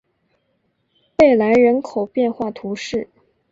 贝莱人口变化图示